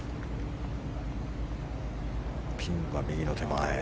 ピンは右の手前。